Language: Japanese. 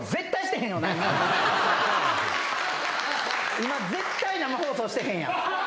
今絶対生放送してへんやん。